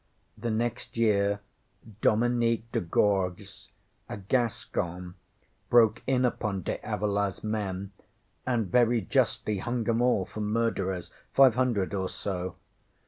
The next year Dominique de Gorgues, a Gascon, broke in upon De AvilaŌĆÖs men, and very justly hung ŌĆśem all for murderers five hundred or so.